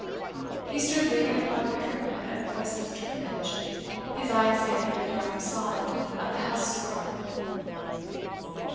He stood leaning upon the parapet of Westminster Bridge, his eyes scanning the dark facade of the Houses of Parliament.